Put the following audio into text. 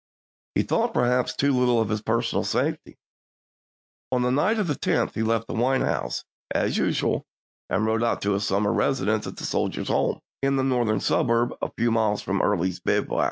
He thought perhaps too little of his personal safety. On the night of the 10th he left the White House as usual and rode July, lse*, out to his summer residence at the Soldiers' Home, in the northern suburb, a few miles from Early's bivouac.